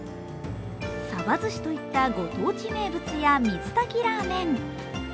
鯖寿司といったご当地名物や水炊きラーメン。